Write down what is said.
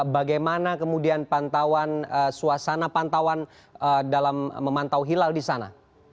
bagaimana kemudian pantauan suasana pantauan dalam memantau hilal di sana